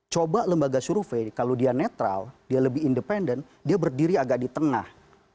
coba lembaga survei kalau dia netral dia lebih independen dia berdiri agak di tengah